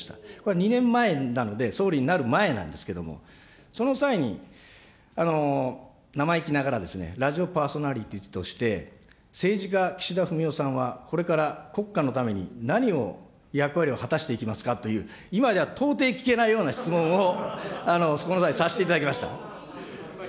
２年前なので、総理になる前なんですけれども、その際に生意気ながら、ラジオパーソナリティーとして、政治家、岸田文雄さんはこれから国家のために何を役割を果たしていきますかという、今では到底聞けないような質問をその際、させていただきました。